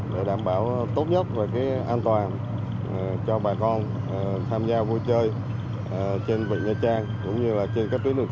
để đảm bảo tốt nhất và an toàn